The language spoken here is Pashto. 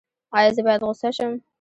ایا زه باید غوسه شم؟